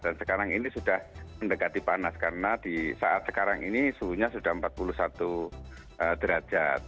dan sekarang ini sudah mendekati panas karena saat sekarang ini suhunya sudah empat puluh satu derajat